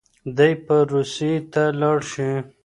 دی به روسيې ته لاړ شي.